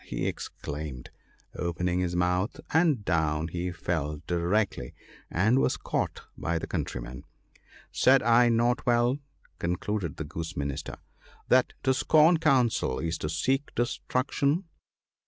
" he exclaimed, opening his mouth — and down he fell directly, and was caught by the countrymen. Said I not well/ concluded the Goose Minister, ' that to scorn counsel is to seek destruc tion